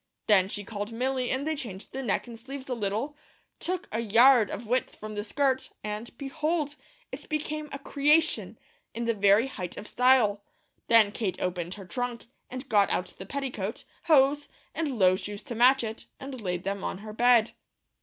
Then she called Milly and they changed the neck and sleeves a little, took a yard of width from the skirt, and behold! it became a "creation," in the very height of style. Then Kate opened her trunk, and got out the petticoat, hose, and low shoes to match it, and laid them on her bed.